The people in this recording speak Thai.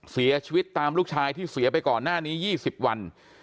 เสียชีวิตตามลูกชายที่เสียไปก่อนหน้านี้๒๐วัน